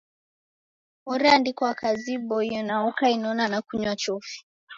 Oreandikwa kazi iboie nao ukainona na kunywa chofi.